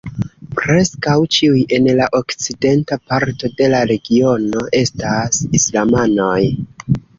Preskaŭ ĉiuj en la okcidenta parto de la regiono estas islamanoj.